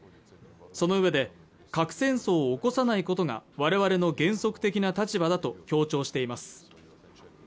そのうえで核戦争を起こさないことが我々の原則的な立場だと強調しています